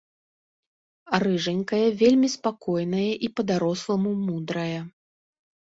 Рыжанькая вельмі спакойная і па-даросламу мудрая.